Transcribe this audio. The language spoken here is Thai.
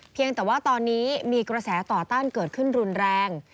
เพียงแต่ว่าตอนนี้มีกระแสต่อต้านเกิดขึ้นรุนแรง